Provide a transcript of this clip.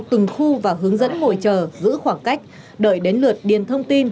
từng khu và hướng dẫn ngồi chờ giữ khoảng cách đợi đến lượt điền thông tin